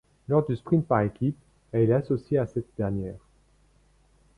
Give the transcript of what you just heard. Lors du sprint par équipes, elle est associée à cette dernière.